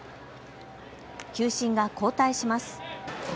球審が交代します。